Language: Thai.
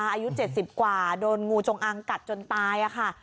อายุ๗๐กว่าโดนงูจงอังกัดจนตายค่ะ